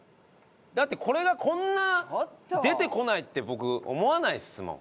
だってこれがこんな出てこないって僕思わないですもん。